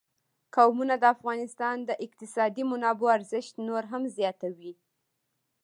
قومونه د افغانستان د اقتصادي منابعو ارزښت نور هم زیاتوي.